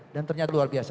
dan ternyata luar biasa